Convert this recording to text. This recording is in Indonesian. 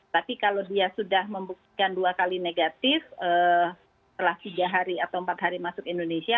tapi kalau dia sudah membuktikan dua kali negatif setelah tiga hari atau empat hari masuk indonesia